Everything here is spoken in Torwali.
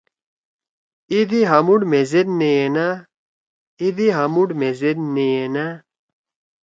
اِیدے ہامُوڑ مھیزید نے یے نأ۔ اِیدے ہا مُوڑ مھیزید نے یے نأ۔